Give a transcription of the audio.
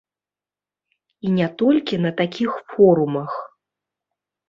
І не толькі на такіх форумах.